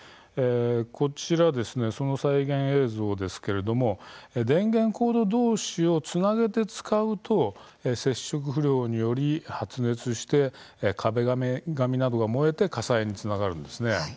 こちら、その再現映像ですが電源コード同士をつなげて使うと接触不良により発熱して壁紙などが燃えて火災につながるんです。